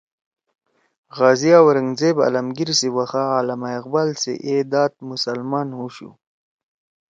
غازی اورنگ زیب عالمگیر سی وخا علامہ اقبال سی اے داد مسلمان ہُوشُو